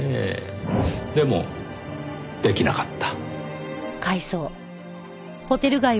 でもできなかった。